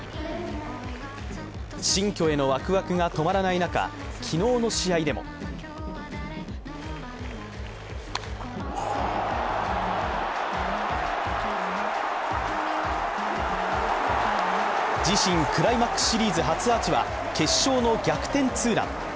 新居へのワクワクが止まらない中、昨日の試合でも自身、クライマックスシリーズ初アーチは決勝の逆転ツーラン。